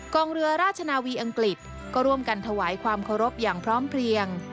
กองเรือราชนาวีอังกฤษก็ร่วมกันถวายความเคารพอย่างพร้อมเพลียง